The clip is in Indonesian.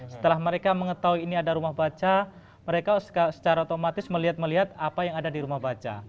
setelah mereka mengetahui ini ada rumah baca mereka secara otomatis melihat melihat apa yang ada di rumah baca